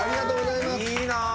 いいな。